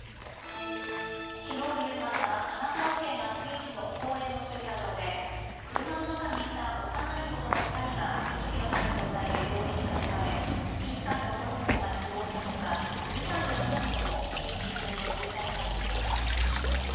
きのう夕方、神奈川県厚木市の公園の駐車場で、車の中にいた幼い子ども２人が意識のない状態で病院に運ばれ、１歳の男の子が死亡したほか、２歳の女の子も意識不明の重体になっています。